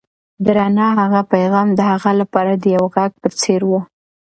د رڼا هغه پيغام د هغه لپاره د یو غږ په څېر و.